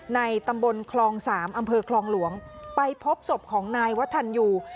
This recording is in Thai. ในตำบลคลอง๓อำเภอคลองหลวงไปพบศพของนายวัฒนยู